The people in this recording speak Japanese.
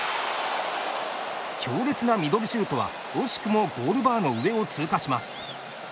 強烈なミドルシュートは惜しくもゴールバーの上を通過します。